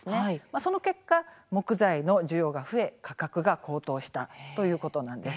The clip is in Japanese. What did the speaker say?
その結果、木材の需要が増え価格が高騰したということなんです。